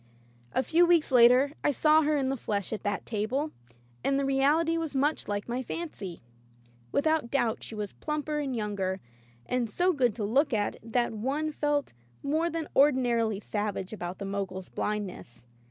A few weeks later I saw her in the flesh at that table, and the reality was much like my fancy. Without doubt she was plumper and younger, and so good to look at that one felt more than ordinarily savage about the Mogul's blindness.